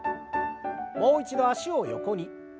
もう一度脚を横に。